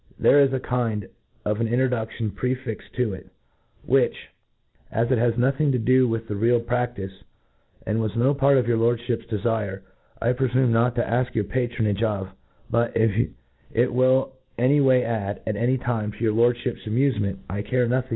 There .is a kind of an introdu£lion prefixed to It^ which, as it £as nothing to do with the real pra£ticej and was no p^rt of your Lordfliip's dcfire, I prefume not to a(k your patronage of; but, if it will any way add, at any time, to your Lordfeip's amulement :—^ I care nothing.